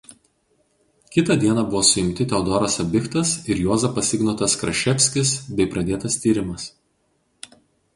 Kitą dieną buvo suimti Teodoras Abichtas ir Juozapas Ignotas Kraševskis bei pradėtas tyrimas.